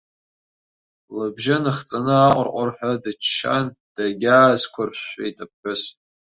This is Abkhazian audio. Лыбжьы ныхҵаны аҟырҟырҳәа дыччан, дагьаазқәыршәшәеит аԥҳәыс.